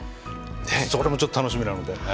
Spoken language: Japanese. それもちょっと楽しみなので。